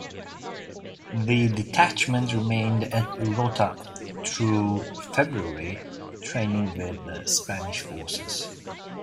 The detachment remained at Rota through February, training with Spanish Forces.